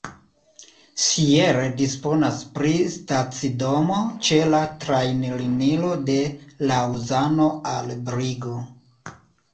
Sierre disponas pri stacidomo ĉe la trajnlinio de Laŭzano al Brigo.